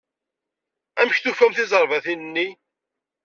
Amek tufam tizerbatin-nni?